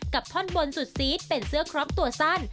ท่อนบนสุดซี๊ดเป็นเสื้อครอบตัวสั้น